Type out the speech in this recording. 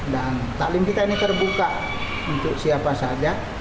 dan taklim kita ini terbuka untuk siapa saja